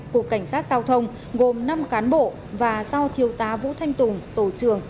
của cảnh sát giao thông gồm năm cán bộ và sau thiếu tá vũ thanh tùng tổ trưởng